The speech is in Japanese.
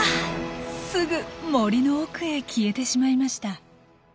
すぐ森の奥へ消えてしまいました。